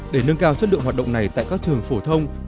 để nâng cao chất lượng hoạt động này tại các trường phổ thông